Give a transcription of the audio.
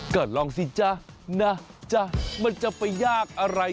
ก็ลองสิจ๊ะนะจ๊ะมันจะไปยากอะไร